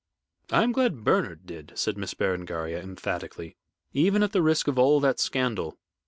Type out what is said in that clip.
"I am glad Bernard did," said Miss Berengaria, emphatically; "even at the risk of all that scandal."